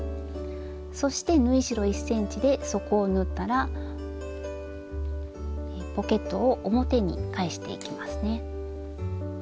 そして縫い代１ｃｍで底を縫ったらポケットを表に返していきますね。